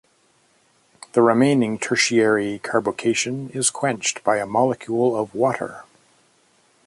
The remaining tertiary carbocation is quenched by a molecule of water.